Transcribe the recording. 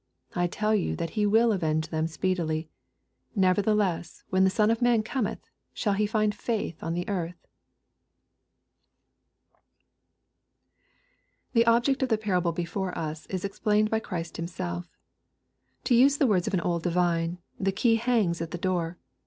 8 I tell you that he will avenge them speedily. Nevertheless, when the Son of man cometb, shtJl he find fuith on the earth ? The object of the parable before us, is explained by Christ Himself, To use the words of an old divine, " The key hangs at the door."